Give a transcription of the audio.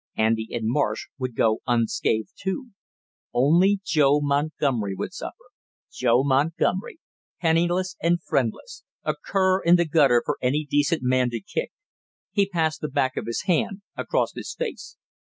Andy and Marsh would go unscathed, too. Only Joe Montgomery would suffer Joe Montgomery, penniless and friendless, a cur in the gutter for any decent man to kick! He passed the back of his hand across his face.